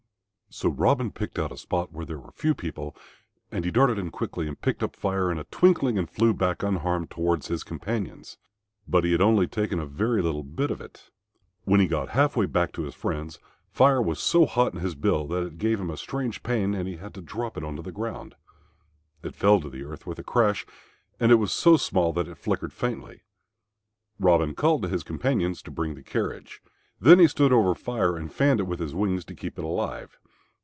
So Robin picked out a spot where there were few people, and he darted in quickly and picked up fire in a twinkling and flew back unharmed towards his companions. But he had only taken a very little bit of it. When he got half way back to his friends, Fire was so hot in his bill that it gave him a strange pain and he had to drop it on the ground. It fell to the earth with a crash and it was so small that it flickered faintly. Robin called to his companions to bring the carriage. Then he stood over Fire and fanned it with his wings to keep it alive.